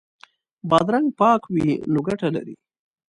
بادرنګ پاک وي نو ګټه لري.